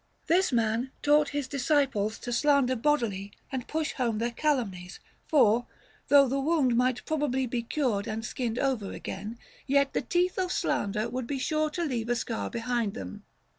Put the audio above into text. This man taught his dis ciples to slander boldly and push home their calumnies ; for, though the wound might probably be cured and skinned over again, yet the teeth of slander would be sure to leave a scar behind them.